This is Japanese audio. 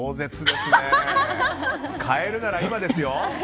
変えるなら今ですよ。